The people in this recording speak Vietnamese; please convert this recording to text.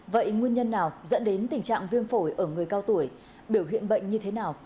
vậy nguyên nhân nào dẫn đến tình trạng viêm phổi ở người cao tuổi biểu hiện bệnh như thế nào